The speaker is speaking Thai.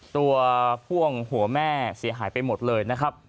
ตัวพ่วงหัวแม่เสียหายไปหมดเลยนะครับ